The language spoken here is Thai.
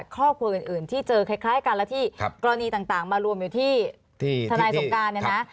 ครอบครัวอื่นที่เจอคล้ายกันและที่กรณีต่างมารวมอยู่ที่ทนายสงการเนี่ยนะ